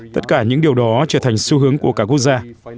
tất cả những điều đó trở thành xu hướng của cả quốc gia